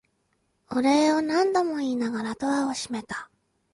お礼を何度も言いながらドアを閉めた。